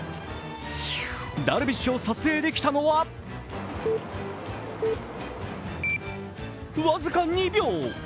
ダルビッシュを撮影できたのは僅か２秒。